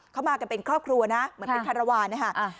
เขามากันเป็นครอบครัวนะเหมือนเป็นคารวาลนะฮะ